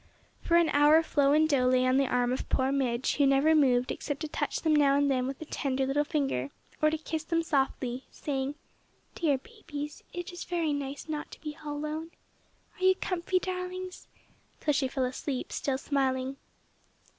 For an hour Flo and Do lay on the arm of poor Midge who never moved except to touch them now and then with a tender little finger, or to kiss them softly, saying, "Dear babies, it is very nice not to be all alone. Are you comfy, darlings?" till she fell asleep still smiling.